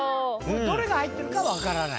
どれが入ってるか分からない？